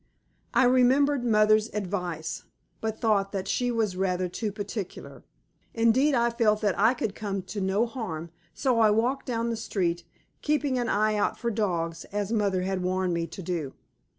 I remembered mother's advice, but thought that she was rather too particular; indeed I felt that I could come to no harm, so walked down the street, keeping an eye out for dogs, as mother had warned me to do.